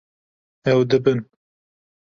Ew dibin.